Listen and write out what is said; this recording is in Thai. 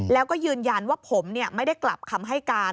แล้วก็ยืนยันว่าผมไม่ได้กลับคำให้การ